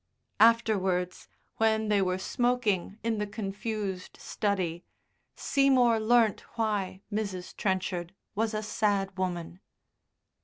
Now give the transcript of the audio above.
Afterwards when they were smoking in the confused study, Seymour learnt why Mrs. Trenchard was a sad woman.